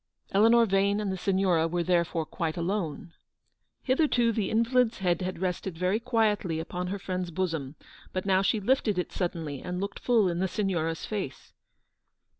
Eleanor Vane and the Signora were there fore quite alone. Hitherto the invalid's head had rested very quietly upon her friend's bosom, but now she lifted it suddenly and looked fall in the Signora' s face.